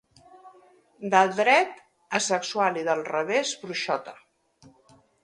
Del dret, asexual i del revés bruixota.